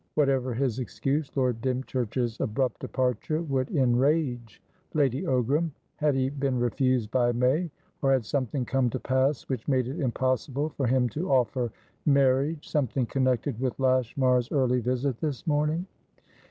Whatever his excuse, Lord Dymchurch's abrupt departure would enrage Lady Ogram. Had he been refused by May? Or had something come to pass which made it impossible for him to offer marriage something connected with Lashmar's early visit this morning?